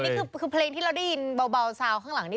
เลยและนี่คือเพลงที่เราได้ยินเบาเซานด์ข้างหลังนี่